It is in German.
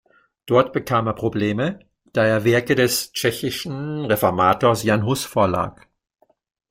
Dort bekam er Probleme, da er Werke des tschechischen Reformators Jan Hus vorlas.